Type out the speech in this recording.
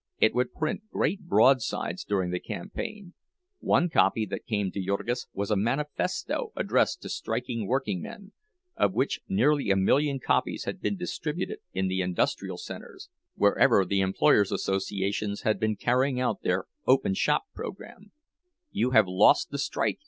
It would print great broadsides during the campaign; one copy that came to Jurgis was a manifesto addressed to striking workingmen, of which nearly a million copies had been distributed in the industrial centers, wherever the employers' associations had been carrying out their "open shop" program. "You have lost the strike!"